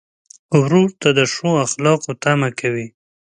ورور ته د ښو اخلاقو تمه کوې.